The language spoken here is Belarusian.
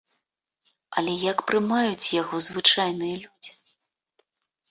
Але як прымаюць яго звычайныя людзі?